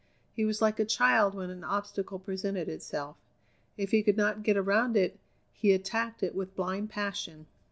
He was like a child when an obstacle presented itself. If he could not get around it, he attacked it with blind passion.